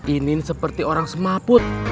ini seperti orang semaput